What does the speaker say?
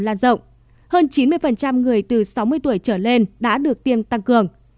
hơn chín mươi người từ sáu mươi tuổi trở lên đã được tiêm tăng cường